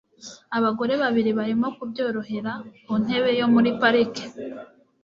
Abagore babiri barimo kubyorohera ku ntebe yo muri parike